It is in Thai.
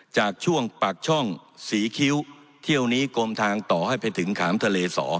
จากช่วงปากช่องศรีคิ้วเที่ยวนี้กลมทางต่อให้ไปถึงขามทะเล๒